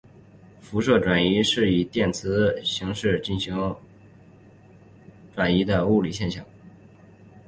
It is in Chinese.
辐射转移是以电磁辐射形式进行能量转移的物理现象。